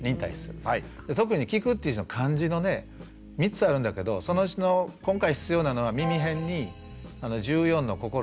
特に「きく」っていう字の漢字のね３つあるんだけどそのうちの今回必要なのは耳偏に十四の心って書くんですけど。